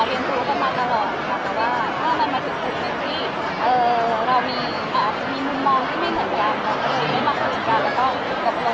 พี่เจียงอะไรพี่จะอย่างนี้กับเรามาหลังกันคุณผู้ชมของเรา